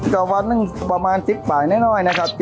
ก็วันนึงประมาณ๑๐บาทนิดหน่อยนะครับ